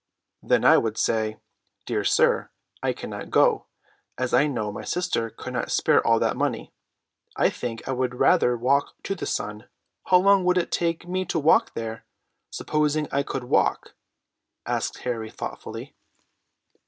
'" "Then I would say: 'Dear sir, I cannot go, as I know my sister could not spare all that money. I think I would rather walk to the sun.' How long would it take me to walk there, supposing I could walk?" asked Harry thoughtfully.